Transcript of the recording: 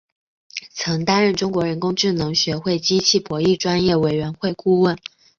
曾担任中国人工智能学会机器博弈专业委员会顾问。